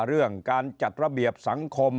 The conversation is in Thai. เรื่องการจัดระเบียบสังคม